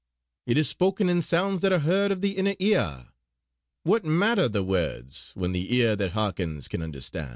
It is spoken in sounds that are heard of the inner ear. What matter the words, when the ear that hearkens can understan'!"